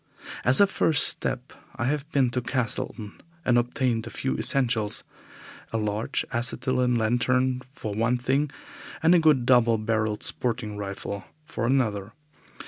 As a first step I have been to Castleton and obtained a few essentials a large acetylene lantern for one thing, and a good double barrelled sporting rifle for another.